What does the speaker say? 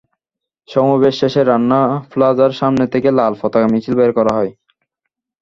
সমাবেশ শেষে রানা প্লাজার সামনে থেকে লাল পতাকা মিছিল বের করা হয়।